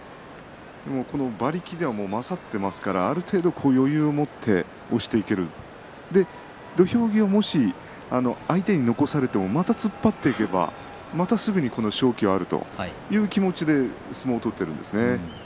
でも馬力では勝っていますからある程度余裕を持って押していける土俵際もし相手に残されてもまた突っ張っていけばまたすぐに勝機はあるという気持ちで相撲を取っているんですね。